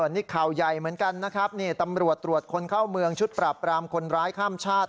นี่ข่าวใหญ่เหมือนกันนะครับนี่ตำรวจตรวจคนเข้าเมืองชุดปราบปรามคนร้ายข้ามชาติ